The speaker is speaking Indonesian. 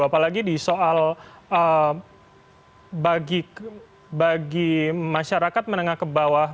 apalagi di soal bagi masyarakat menengah ke bawah